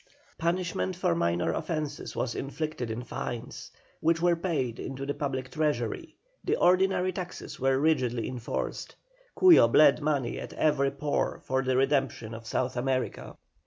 Punishment for minor offences was inflicted in fines, which were paid into the public treasury, the ordinary taxes were rigidly enforced. Cuyo bled money at every pore for the redemption of South America.